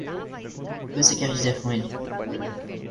O que você quer dizer com ele?